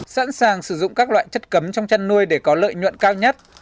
sẵn sàng sử dụng các loại chất cấm trong chăn nuôi để có lợi nhuận cao nhất